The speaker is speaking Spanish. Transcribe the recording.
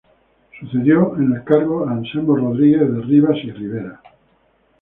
Sucedió en el cargo a Anselmo Rodríguez de Rivas y Rivera.